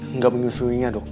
enggak menyusuinya dok